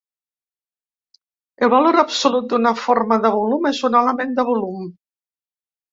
El valor absolut d'una forma de volum és un element de volum.